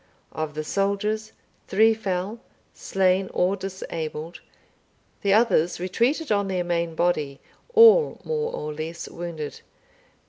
Of the soldiers, three fell, slain or disabled; the others retreated on their main body, all more or less wounded.